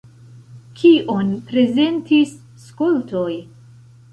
Kion prezentis skoltoj?